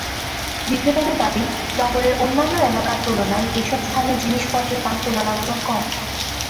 বিক্রেতাদের দাবি, নগরের অন্যান্য এলাকার তুলনায় এসব স্থানে জিনিসপত্রের দাম তুলনামূলক কম।